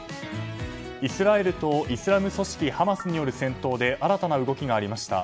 イスラエルとイスラム組織ハマスによる戦闘で新たな動きがありました。